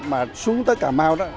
mà xuống tới cà mau đó